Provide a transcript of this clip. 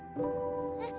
えっ？